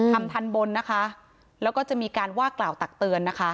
ทันบนนะคะแล้วก็จะมีการว่ากล่าวตักเตือนนะคะ